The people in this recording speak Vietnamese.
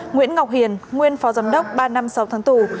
nguyễn ngọc hiền nguyên phó giám đốc ba năm sáu tháng tù